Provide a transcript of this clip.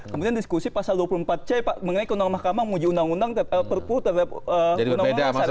kemudian diskusi pasal dua puluh empat c mengenai keundang mahkamah menguji undang undang perpu terhadap